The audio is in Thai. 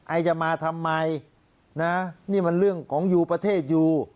ไอจะมาทำไมนะนี่มันเรื่องของอยู่ประเทศอยู่